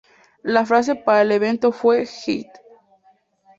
La frase para el evento fue ""Heat"".